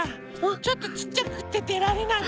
ちょっとちっちゃくってでられないの。